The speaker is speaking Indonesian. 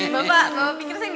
bapak bapak pikir saya